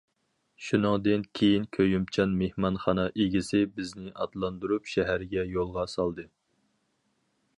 شۇنىڭدىن كېيىن كۆيۈمچان مېھمانخانا ئىگىسى بىزنى ئاتلاندۇرۇپ شەھەرگە يولغا سالدى.